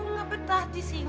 tapi aku gak betah disini